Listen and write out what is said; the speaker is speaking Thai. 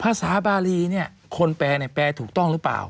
ภาษาบารีเนี่ยคนแปลแปลถูกต้องหรือเปล่า